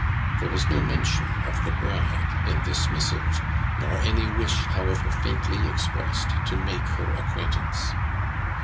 There was no mention of the bride in this missive, nor any wish however faintly expressed, to make her acquaintance.